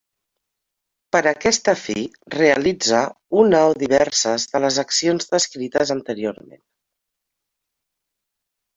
Per a aquesta fi realitza una o diverses de les accions descrites anteriorment.